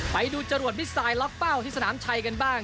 ไปดูจรวดมิสไซดล็อกเป้าที่สนามชัยกันบ้าง